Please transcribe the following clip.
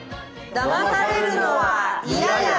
だまされるのはイヤヤ！